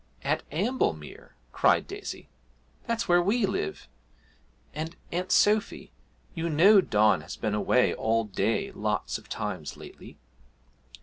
'At Amblemere!' cried Daisy, 'that's where we live; and, Aunt Sophy, you know Don has been away all day lots of times lately.'